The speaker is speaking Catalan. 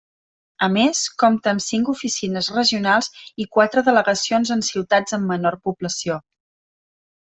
A més, compta amb cinc oficines regionals i quatre delegacions en ciutats amb menor població.